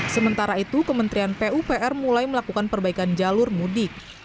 sementara itu kementerian pupr mulai melakukan perbaikan jalur mudik